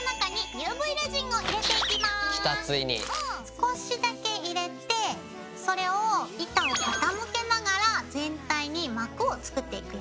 少しだけ入れてそれを板を傾けながら全体に膜を作っていくよ。